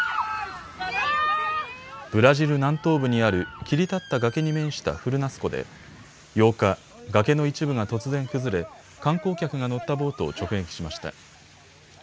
ブラジル南東部にある切り立った崖に面したフルナス湖で８日、崖の一部が突然崩れ観光客が乗ったボートを直撃しました。